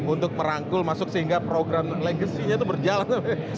untuk merangkul masuk sehingga program legasinya itu berjalan